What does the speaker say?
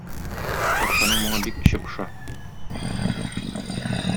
Патшаның моңа бик эче поша.